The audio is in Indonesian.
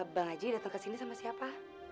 bang haji datang kesini sama siapa